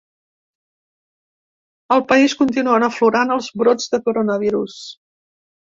Al país, continuen aflorant els brots del coronavirus.